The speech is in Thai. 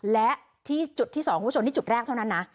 และที่จุดที่๒วัชโชนนี่จุดแรกเท่านั้นนะ